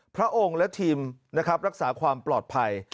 พระองค์และทีมรักษาความปลอดภัย